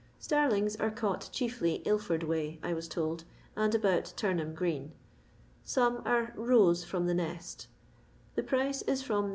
Starlings are caught chiefly Ilford way, I was told, and about Turnham green. Some are "rose" from the nest The price is from 9(i.